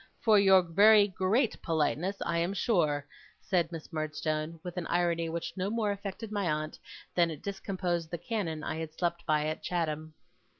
For your very great politeness, I am sure,' said Miss Murdstone; with an irony which no more affected my aunt, than it discomposed the cannon I had slept by at Chatham.